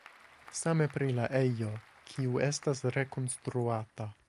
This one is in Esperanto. Same pri la ejo, kiu estas rekonstruata.